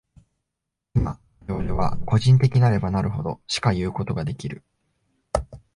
否、我々は個人的なればなるほど、しかいうことができる。